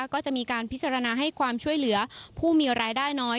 ก็จะมีการพิจารณาให้ความช่วยเหลือผู้มีรายได้น้อย